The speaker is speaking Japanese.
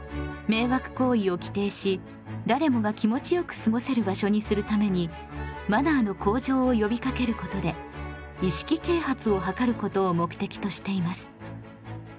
迷惑行為を規定し誰もが気持ちよく過ごせる場所にするためにマナーの向上をよびかけることで意識啓発を図ることを目的としています。